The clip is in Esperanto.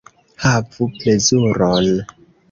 Havu plezuron!